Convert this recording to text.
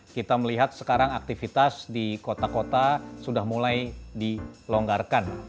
kita melihat sekarang aktivitas di kota kota sudah mulai dilonggarkan